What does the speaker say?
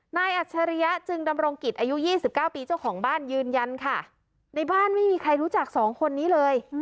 อัจฉริยะจึงดำรงกิจอายุ๒๙ปีเจ้าของบ้านยืนยันค่ะในบ้านไม่มีใครรู้จักสองคนนี้เลย